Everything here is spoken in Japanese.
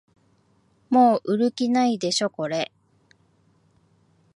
もう売る気ないでしょこれ